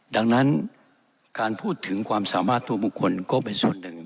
ดังนั้นการพูดถึงความสามารถตัวบุคคลก็เป็นส่วนหนึ่ง